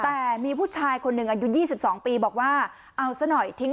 แต่มีผู้ชายคนหนึ่งอายุยี่สิบสองปีบอกว่าเอาสักหน่อยทิ้ง